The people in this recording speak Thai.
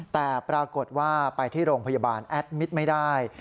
แต่ปรากฏว่าไปที่โรงพยาบาลแอดมิตรไม่ได้